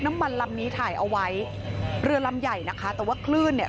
น้ำมันลำนี้ถ่ายเอาไว้เรือลำใหญ่นะคะแต่ว่าคลื่นเนี่ย